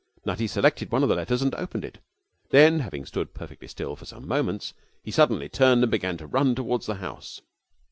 Nutty selected one of the letters and opened it. Then, having stood perfectly still for some moments, he suddenly turned and began to run towards the house.